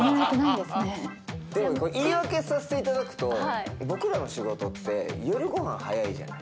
でも言い訳させていただくと、僕らの仕事って夜ごはん早いじゃない。